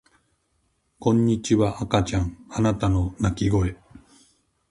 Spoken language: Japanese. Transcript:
こんにちは赤ちゃんあなたの泣き声